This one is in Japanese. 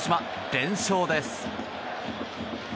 連勝です。